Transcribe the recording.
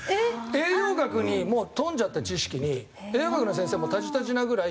栄養学にもう富んじゃった知識に栄養学の先生もたじたじなぐらい。